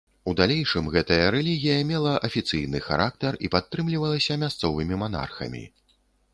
У далейшым гэтая рэлігія мела афіцыйны характар і падтрымлівалася мясцовымі манархамі.